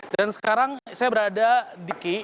dan sekarang saya berada di kiri